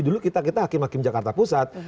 dulu kita hakim hakim jakarta pusat